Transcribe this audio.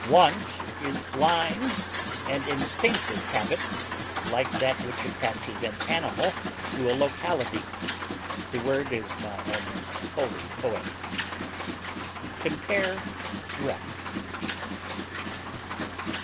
Wont is blind and instinctive habit like that which attaches an animal to a locality: the word is now almost wholly poetic. Compare DRESS.